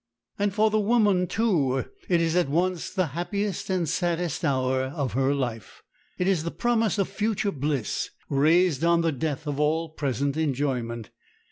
And for the woman, too, it is at once the happiest and saddest hour of her life. It is the promise of future bliss, raised on the death of all present enjoyment.